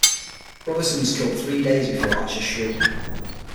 Robinson was killed three days before Archer-Shee.